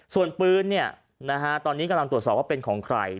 ส่วนปืนตอนนี้กำลังตรวจสอบว่าเป็นของใคร